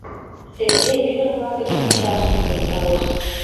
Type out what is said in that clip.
— Сергей ӱдыр-влакын шинчашкышт ончалеш.